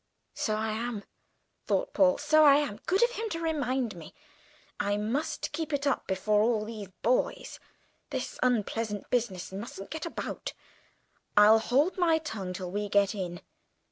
"So I am," thought Paul, "so I am. Good of him to remind me. I must keep it up before all these boys. This unpleasant business mustn't get about. I'll hold my tongue till we get in.